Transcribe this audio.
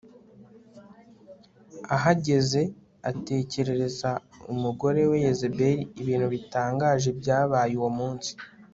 ahageze atekerereza umugore we Yezebeli ibintu bitangaje byabaye uwo munsi